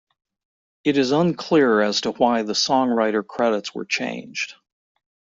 It is unclear as to why the songwriter credits were changed.